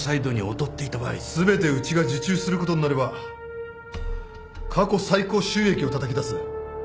全てうちが受注することになれば過去最高収益をたたき出す。